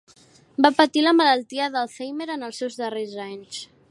Va patir la malaltia d'Alzheimer en els seus darrers anys.